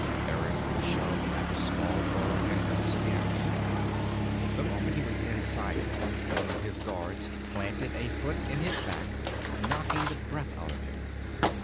Eric was shoved at the small burrow entrance again. The moment he was inside it, one of his guards planted a foot in his back, knocking the breath out of him.